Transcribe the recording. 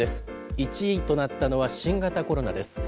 １位となったのは、新型コロナです。